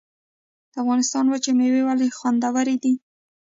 د افغانستان وچې میوې ولې خوندورې دي؟